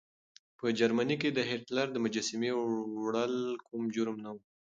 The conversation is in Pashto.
په جرمني کې د هېټلر د مجسمې وړل کوم جرم نه و.